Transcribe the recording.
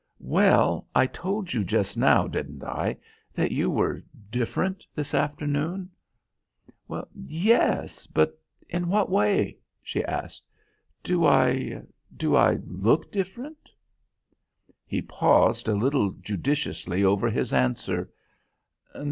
"Well, I told you just now, didn't I, that you were different this afternoon?" "Yes, but in what way?" she asked. "Do I do I look different?" He paused a little judiciously over his answer.